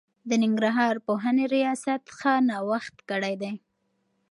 د ننګرهار پوهنې رياست ښه نوښت کړی دی.